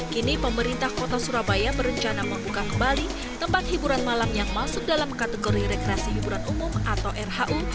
kini pemerintah kota surabaya berencana membuka kembali tempat hiburan malam yang masuk dalam kategori rekreasi hiburan umum atau rhu